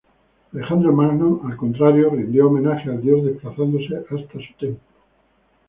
Alejandro Magno al contrario rindió homenaje al dios desplazándose hasta su templo.